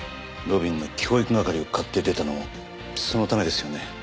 路敏の教育係を買って出たのもそのためですよね？